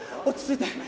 落ち着いて。